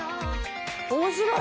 「面白い！